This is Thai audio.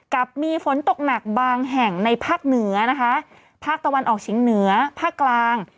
กับมีฝนตกหนักบางแห่งในภาคเหนือนะคะภาคตะวันออกเฉียงเหนือภาคกลาง